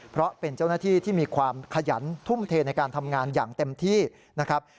เพราะเป็นเจ้าหน้าที่ที่มีความขยันทุ่มเทในการทำงานอย่างเต็มที่นะครับ